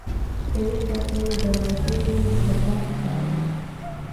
یوې خواته یې د غجرو خطاب کاوه.